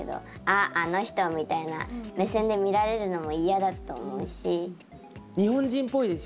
「あっあの人！」みたいな目線で見られるのも嫌だと思うし。